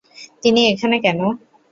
তিনি এখানে কেন?